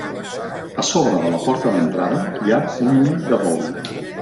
A sobre de la porta d'entrada hi ha un ull de bou.